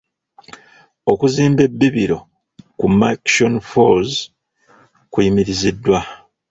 Okuzimba ebbibiro ku Murchison Falls kuyimiriziddwa.